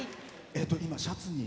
今、シャツに。